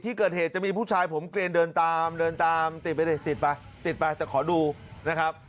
ที่เกิดเหตุจะมีผู้ชายผมเกรนเดินตามติดไปติดไปแต่ขอดูนะครับ